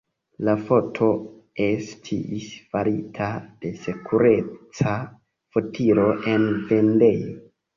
La foto estis farita de sekureca fotilo en vendejo.